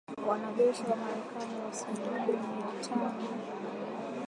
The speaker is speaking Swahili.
Wanajeshi wa Marekani wasiozidi mia tano wameidhinishwa kuingia Somalia kukabiliana na Kikundi cha Kigaidi